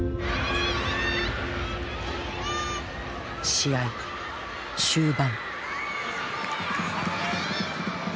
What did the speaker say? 試合終盤。